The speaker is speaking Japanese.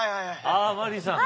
ああマリーさん。